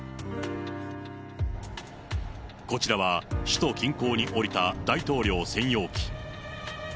こちらは首都近郊に降りた大統領専用機。